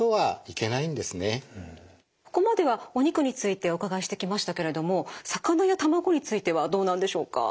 ここまではお肉についてお伺いしてきましたけれども魚や卵についてはどうなんでしょうか？